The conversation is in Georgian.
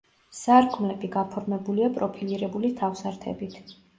სარკმლები გაფორმებულია პროფილირებული თავსართებით.